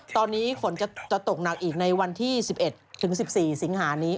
ตอนนี้ฝนจะตกหนักอีกในวันที่๑๑ถึง๑๔สิงหานี้